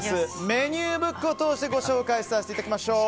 メニューブックを通してご紹介させていただきましょう。